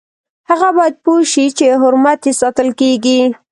هغه باید پوه شي چې حرمت یې ساتل کیږي.